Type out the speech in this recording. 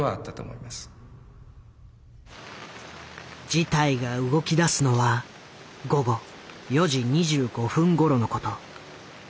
事態が動きだすのは午後４時２５分ごろのこと。